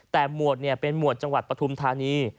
แต่หมวดเป็นหมวดจังหวัดปฐุมธานี